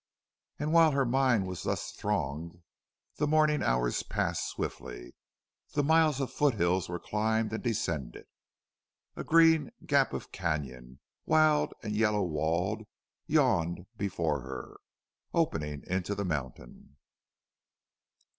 And while her mind was thus thronged the morning hours passed swiftly, the miles of foot hills were climbed and descended. A green gap of canon, wild and yellow walled, yawned before her, opening into the mountain.